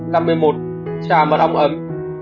năm mươi một trà mật ong ấm